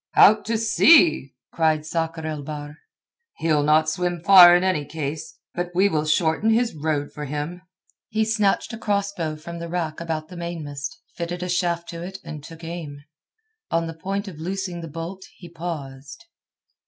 "Out to sea!" cried Sakr el Bahr. "He'll not swim far in any case. But we will shorten his road for him." He snatched a cross bow from the rack about the mainmast, fitted a shaft to it and took aim. On the point of loosing the bolt he paused.